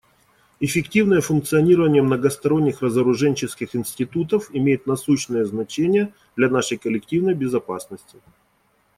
Эффективное функционирование многосторонних разоруженческих институтов имеет насущное значение для нашей коллективной безопасности.